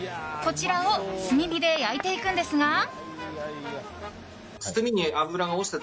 こちらを炭火で焼いていくんですが。